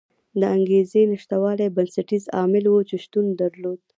د انګېزې نشتوالی بنسټیز عامل و چې شتون درلود.